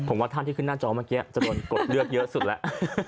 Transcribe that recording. ผมว่าท่านที่ขึ้นหน้าจอเมื่อกี้จะโดนกดเลือกเยอะสุดแล้ว